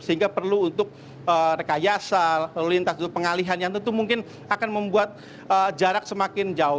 sehingga perlu untuk rekayasa lalu lintas untuk pengalihan yang tentu mungkin akan membuat jarak semakin jauh